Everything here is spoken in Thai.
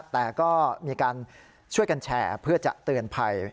แต่ก็มีการช่วยกันแชร์เพื่อจะเตือนภัย